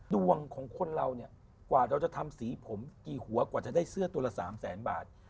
ดวงของคนเราเนี่ยกว่าเราจะทำสีผมกี่หัวกว่าจะได้เสื้อตัวละ๓แสนบาท